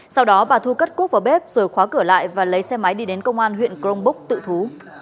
sau đó bà thu cất cuốc vào bếp rồi khóa cửa lại và lấy xe máy đi đến công an huyện grongbúc tự thú